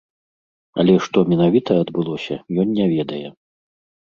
Але што менавіта адбылося, ён не ведае.